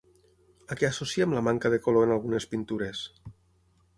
A què associem la manca de color en algunes pintures?